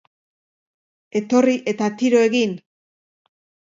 Etorri eta tiro egin?